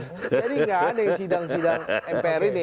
jadi tidak ada yang sidang sidang mpr ini